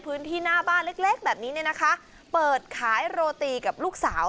พื้นที่หน้าบ้านเล็กเล็กแบบนี้เนี่ยนะคะเปิดขายโรตีกับลูกสาว